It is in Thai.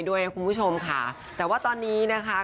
ด้วยคุณผู้ชมค่ะแต่ว่าตอนนี้นะคะ